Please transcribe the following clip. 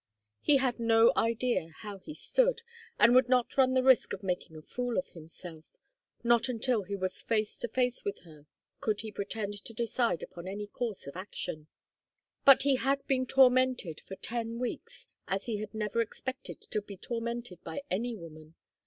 He had no idea how he stood, and would not run the risk of making a fool of himself; not until he was face to face with her could he pretend to decide upon any course of action. But he had been tormented for ten weeks as he had never expected to be tormented by any woman.